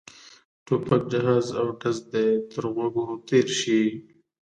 ټوپک جهاز او ډز دې تر غوږو تېر شي.